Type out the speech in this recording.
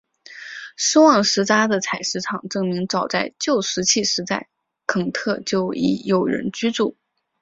斯旺斯扎的采石场证明早在旧石器时代肯特就已有人居住。